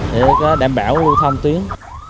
để đảm bảo lưu thông tuyến